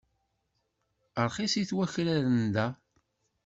Rxisit wakraren da.